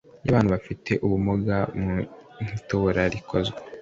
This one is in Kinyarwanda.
y abantu bafite ubumuga mu itora rikozwe